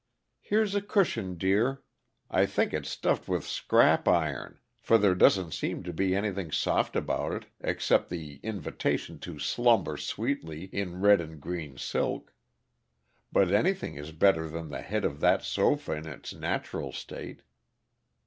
Here's a cushion, dear. I think it's stuffed with scrap iron, for there doesn't seem to be anything soft about it except the invitation to 'slumber sweetly,' in red and green silk; but anything is better than the head of that sofa in its natural state."